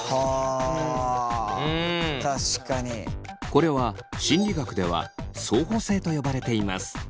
これは心理学では相補性と呼ばれています。